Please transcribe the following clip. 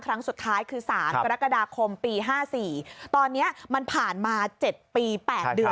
ครั้งสุดท้ายคือ๓กรกฎาคมปี๕๔ตอนนี้มันผ่านมา๗ปี๘เดือน